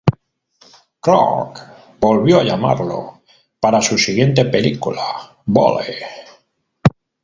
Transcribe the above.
Clark volvió a llamarlo para su siguiente película, "Bully".